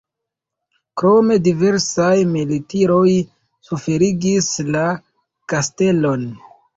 Krome diversaj militiroj suferigis la kastelon.